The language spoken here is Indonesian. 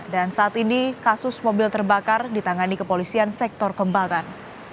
dan saat ini kasus mobil terbakar ditangani kepolisian sektor kembangan